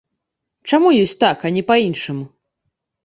Чаму ёсць так, а не па-іншаму?